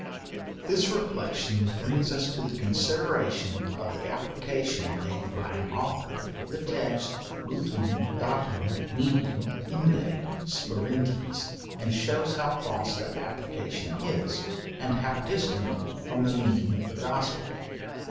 This reflection brings us to the consideration of the application made by an author, of the text, mutuum date nihil inde sperantes, and shews how false that application is, and how distant from the meaning of the Gospel.